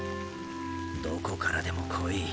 どこからでも来い。